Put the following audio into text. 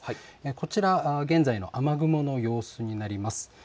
こちら現在の雨雲の様子になります。